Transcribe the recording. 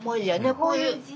こういう字？